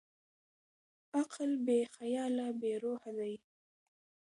عقل بېخیاله بېروحه دی.